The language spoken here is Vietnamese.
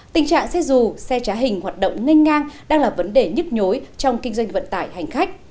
tình trạng xe dù xe trá hình hoạt động nghênh ngang đang là vấn đề nhức nhối trong kinh doanh vận tải hành khách